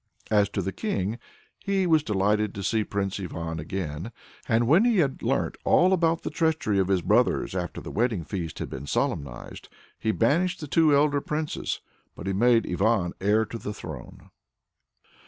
As to the king, he was delighted to see Prince Ivan again, and when he had learnt all about the treachery of his brothers, after the wedding feast had been solemnized, he banished the two elder princes, but he made Ivan heir to the throne.